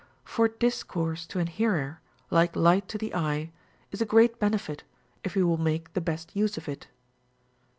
For discourse to an hearer, like light to the eve, is a great benefit, if he will make the best use of it.